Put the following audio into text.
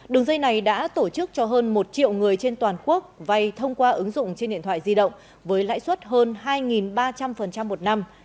đường dây này đã tổ chức cho hơn một triệu người trên toàn quốc vay thông qua ứng dụng trên điện thoại di động với lãi suất hơn hai ba trăm linh một năm